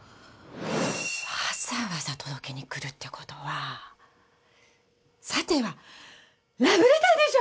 わざわざ届けに来るってことはさてはラブレターでしょ！